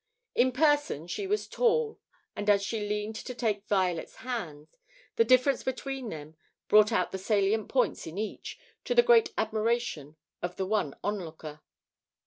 In person she was tall and as she leaned to take Violet's hand, the difference between them brought out the salient points in each, to the great admiration of the one onlooker.